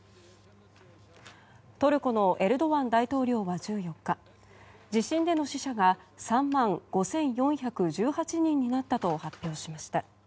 トルコのエルドアン大統領は１４日地震での死者が３万５４１８人になったと発表しました。